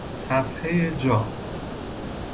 صفحهی جاز